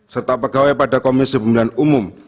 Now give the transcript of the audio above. serta pegawai pada komisi pemilihan umum